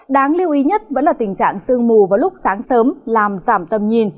đáng lưu ý nhất vẫn là tình trạng sương mù vào lúc sáng sớm làm giảm tầm nhìn